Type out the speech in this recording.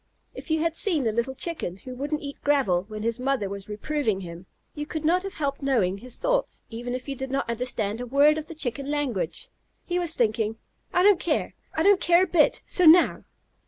If you had seen the little Chicken who wouldn't eat gravel when his mother was reproving him, you could not have helped knowing his thoughts even if you did not understand a word of the Chicken language. He was thinking, "I don't care! I don't care a bit! So now!"